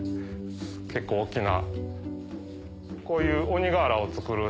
結構大きな。